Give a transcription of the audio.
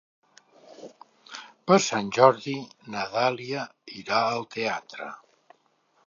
Per Sant Jordi na Dàlia irà al teatre.